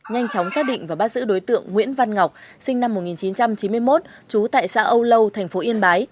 nhanh chóng xác định và bắt giữ đối tượng nguyễn văn ngọc sinh năm một nghìn chín trăm chín mươi một trú tại xã âu lâu thành phố yên bái